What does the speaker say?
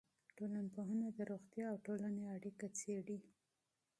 ټولنپوهنه د روغتیا او ټولنې اړیکه څېړي.